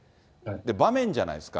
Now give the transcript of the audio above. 場面じゃないですか。